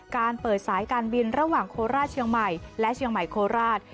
การเปิดสายการบินระหว่างโคราชเชียงใหม่และเชียงใหม่โคราช